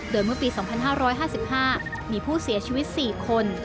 โดยเมื่อปี๒๕๕๕มีผู้เสียชีวิต๔คน